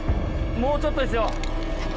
もうちょっとですよ。